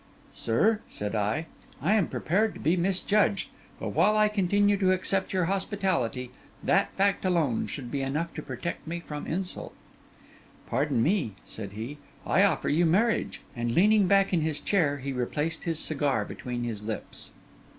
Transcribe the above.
'Sir,' said I, 'I am prepared to be misjudged; but while I continue to accept your hospitality that fact alone should be enough to protect me from insult.' 'Pardon me,' said he: 'I offer you marriage.' And leaning back in his chair he replaced his cigar between his lips.